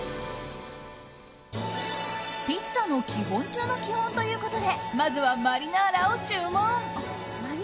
ピッツァの基本中の基本ということでまずはマリナーラを注文。